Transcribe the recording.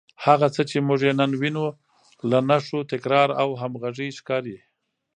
هغه څه چې موږ یې نن وینو، له نښو، تکرار او همغږۍ ښکاري